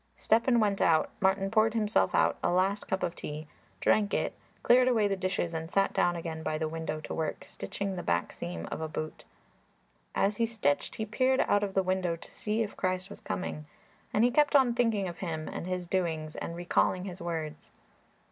Stepan went out; Martin poured himself out a last cup of tea, drank it, cleared away the dishes and sat down again by the window to work, stitching the back seam of a boot. As he stitched he peered out of the window to see if Christ was coming, and he kept on thinking of Him and His doings and recalling His words.